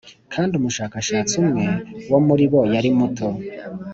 kandi umushakashatsi umwe wo muribo yari muto